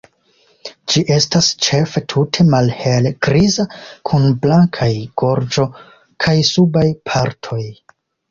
Ĝi estas ĉefe tute malhelgriza kun blankaj gorĝo kaj subaj partoj.